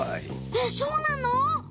えっそうなの？